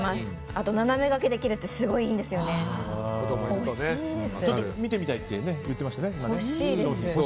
あと、斜め掛けできるってすごくいいんですよね。